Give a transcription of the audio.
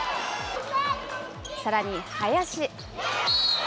さらに林。